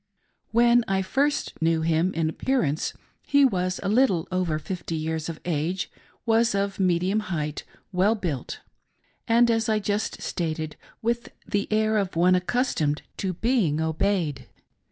When I first knew him in appearance he was little over fifty years of age, was of medium height, well built, upright, and, as I just stated> with the air of one accustomed to be obeyed.